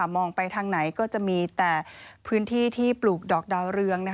มองไปทางไหนก็จะมีแต่พื้นที่ที่ปลูกดอกดาวเรือง